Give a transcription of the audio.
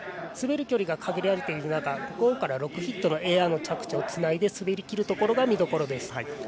滑る距離が限られている中５から６ヒットのエアの着地をつないで滑りきるところが見どころです。